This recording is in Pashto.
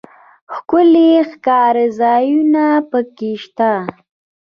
ښکلي ښکارځایونه پکښې شته.